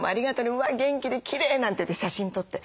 うわ元気できれい」なんて言って写真撮って。